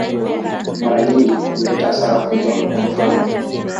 Mara nyingi huleta hasara kubwa, kwa mfano.